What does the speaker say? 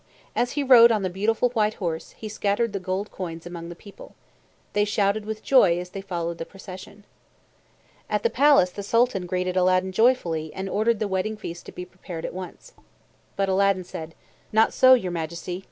As he rode on the beautiful white horse, he scattered the gold coins among the people. They shouted with joy as they followed the procession. At the palace the Sultan greeted Aladdin joyfully and ordered the wedding feast to be prepared at once. But Aladdin said, "Not so, your Majesty.